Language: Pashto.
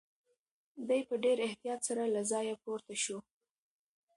دی په ډېر احتیاط سره له ځایه پورته شو.